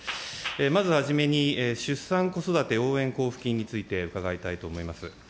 まずはじめに出産・子育て応援交付金について伺いたいと思います。